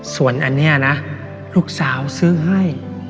ส่วนอันนี้นะลูกสาวซื้อให้